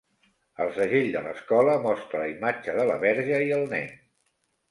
El segell de l'escola mostra la imatge de la verge i el nen.